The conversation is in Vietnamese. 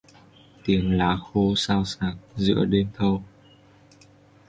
Tiếng lá khô xào xạc giữa đêm thâu